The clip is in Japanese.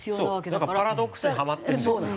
だからパラドックスにはまってるんですよ。